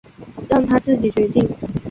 让他自己决定